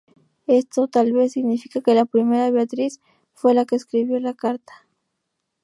Esto tal vez significa que la primera Beatrice fue la que escribió la carta.